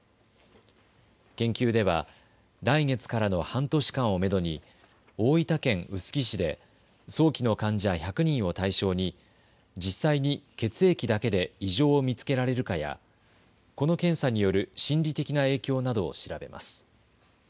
研究では来月からの半年間をめどに大分県臼杵市で早期の患者１００人を対象に実際に血液だけで異常を見つけられるかや、この検査による心理的な影響などを調べます。